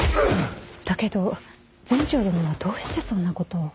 だけど全成殿はどうしてそんなことを。